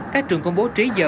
các trường công bố trí dở